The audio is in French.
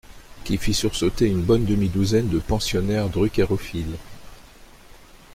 qui fit sursauter une bonne demi-douzaine de pensionnaires druckerophiles.